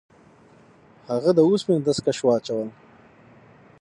هغه د اوسپنې دستکش واچول.